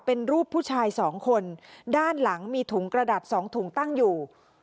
เป็นรูปผู้ชายสองคนด้านหลังมีถุงกระดาษสองถุงตั้งอยู่